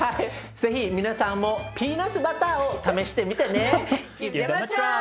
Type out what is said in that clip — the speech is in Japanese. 是非皆さんもピーナツバターを試してみてね。